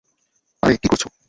আরে, কী করছ।